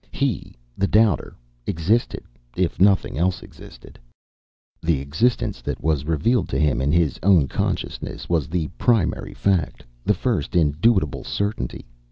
He, the doubter, existed if nothing else existed. The existence that was revealed to him in his own consciousness, was the primary fact, the first indubitable certainty.